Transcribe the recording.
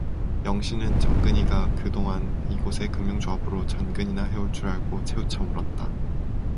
영신은 정근이가 그 동안 이곳의 금융조합으로 전근이나 해온 줄 알고 채우쳐 물었다.